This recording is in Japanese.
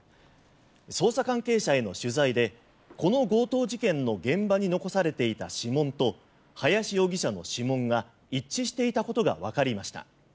捜査関係者への取材でこの強盗事件の現場に残されていた指紋と林容疑者の指紋が一致していたことがわかりました。